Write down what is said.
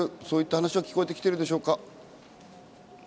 そういった話は聞こえて来ているでしょうか。